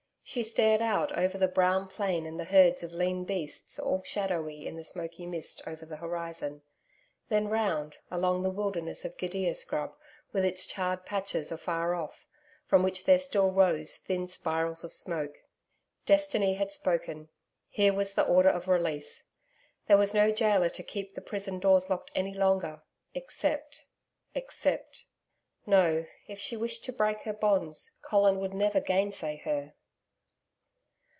She stared out over the brown plain and the herds of lean beasts all shadowy in the smoky mist over the horizon, then round, along the wilderness of gidia scrub, with its charred patches afar off, from which there still rose thin spirals of smoke. Destiny had spoken. Here was the order of release. There was no gaoler to keep the prison doors locked any longer except except No, if she wished to break her bonds, Colin would never gainsay her.